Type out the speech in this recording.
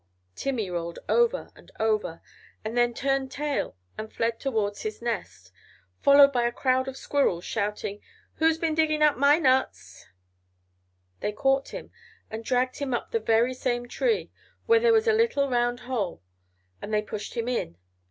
Timmy rolled over and over, and then turned tail and fled towards his nest, followed by a crowd of squirrels shouting "Who's been digging up my nuts?" They caught him and dragged him up the very same tree, where there was the little round hole, and they pushed him in.